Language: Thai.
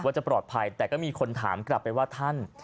จะปลอดภัยแต่ก็มีคนถามกลับไปว่าท่าน